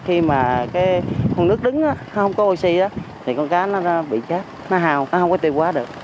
khi mà con nước đứng không có oxy thì con cá nó bị chết nó hào nó không có tiêu hóa được